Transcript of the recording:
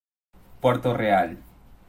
Puerto Real.